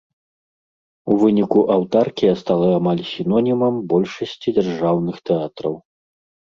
У выніку аўтаркія стала амаль сінонімам большасці дзяржаўных тэатраў.